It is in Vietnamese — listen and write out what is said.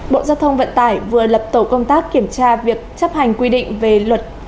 bộ giao thông vận tải vừa lập tổ công tác kiểm tra việc chấp hành quy định về luật